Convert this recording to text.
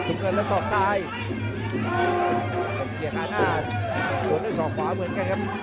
ถุงเงินแล้วตอบท้ายเป็นเกียรติภาพหน้าหัวหน้าของขวาเหมือนกันครับ